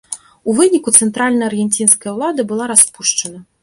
У выніку цэнтральная аргенцінская ўлада была распушчана.